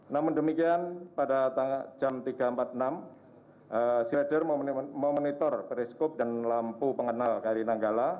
namun demikian pada jam tiga empat puluh enam silider memonitor periskop dan lampu pengenal kri nanggala